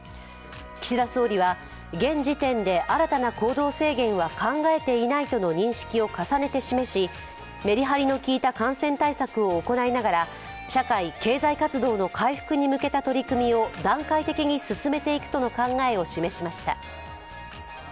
岸田総理は、現時点で新たな行動制限は考えていないとの認識を重ねて示しめりはりのきいた感染対策を行いながら社会経済活動の回復に向けた取り組みを段階的に進めていくとの考えを示しました。